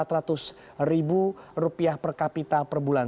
rp empat ratus ribu rupiah per kapita per bulan